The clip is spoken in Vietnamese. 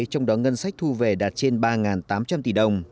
trong đó ngân sách thu về đạt trên ba tám trăm linh tỷ đồng